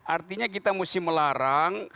artinya kita mesti melarang